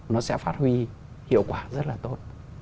nó sẽ phát huy hiệu quả rất là tốt